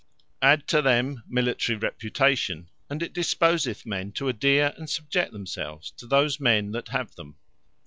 Adde to them Military reputation, and it disposeth men to adhaere, and subject themselves to those men that have them.